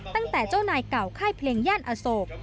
ตั้งแต่เจ้านายเก่าค่ายเพลงแย่นอโศก